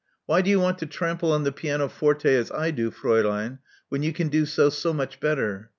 Why do you want to trample on the pianoforte as I do, Fraulein, when you can do so much better?